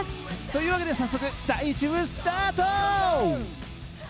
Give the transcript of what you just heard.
というわけで早速第１部スタート！